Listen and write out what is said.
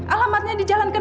alamatnya di jalanan